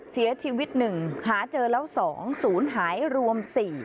เสียชีวิต๑หาเจอแล้ว๒ศูนย์หายรวม๔